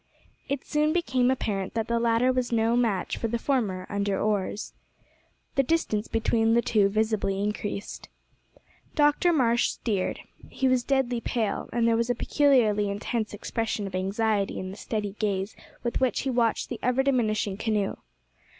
It soon became apparent that the latter was no match for the former under oars. The distance between the two visibly increased. Dr Marsh steered. He was deadly pale, and there was a peculiarly intense expression of anxiety in the steady gaze, with which he watched the ever diminishing canoe.